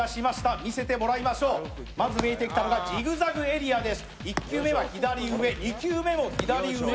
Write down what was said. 見せてもらいましょう、まず見えてきたのがジグザグエリアです、１球目は左上２球目も左上。